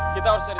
kita harus cari